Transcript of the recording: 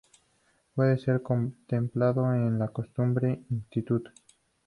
Puede ser contemplado en el Costume Institute.